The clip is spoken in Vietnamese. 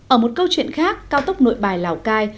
ở một câu chuyện khác cao tốc nội bài lào cai